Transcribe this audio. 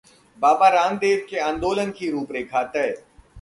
बाबा रामदेव के आंदोलन की रूपरेखा तय